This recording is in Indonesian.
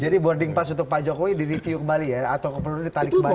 jadi boarding pass untuk pak jokowi di review kembali ya atau perlu ditarik kembali